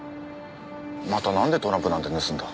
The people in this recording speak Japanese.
またなんでトランプなんて盗んだ？